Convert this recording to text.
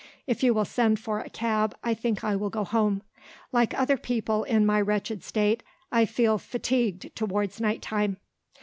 If you will send for a cab, I think I will go home. Like other people in my wretched state, I feel fatigued towards night time."